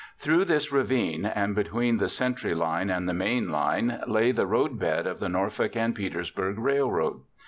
Through this ravine, and between the sentry line and the main line, lay the roadbed of the Norfolk and Petersburg Railroad.